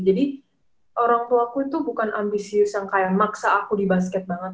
jadi orang tuaku tuh bukan ambisius yang kayak maksa aku di basket banget